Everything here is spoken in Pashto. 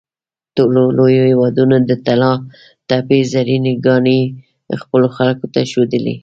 ټولو لویو هېوادونو د طلاتپې زرینې ګاڼې خپلو خلکو ته ښودلې.